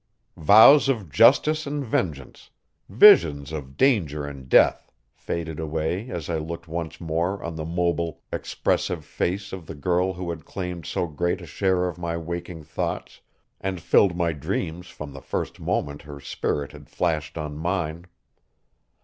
Vows of justice and vengeance, visions of danger and death, faded away as I looked once more on the mobile, expressive face of the girl who had claimed so great a share of my waking thoughts and filled my dreams from the first moment her spirit had flashed on mine.